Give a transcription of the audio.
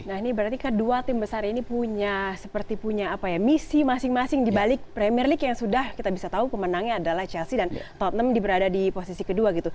nah ini berarti kedua tim besar ini punya misi masing masing dibalik premier league yang sudah kita bisa tahu pemenangnya adalah chelsea dan tottenham di posisi kedua